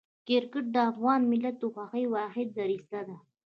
کرکټ د افغان ملت د خوښۍ واحده دریڅه ده.